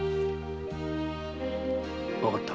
わかった。